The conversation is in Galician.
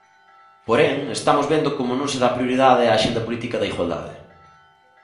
Porén, estamos vendo como non se dá prioridade á axenda política da igualdade.